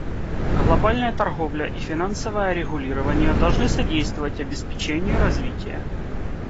Глобальная торговля и финансовое регулирование должны содействовать обеспечению развития.